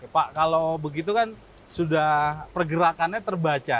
pak kalau begitu kan sudah pergerakannya terbaca